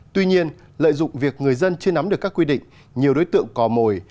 tuy nhiên lợi dụng việc người dân chưa nắm được các quy định nhiều đối tượng cò mồi